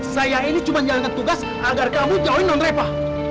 saya ini cuma jalankan tugas agar kamu jauhin nonrepa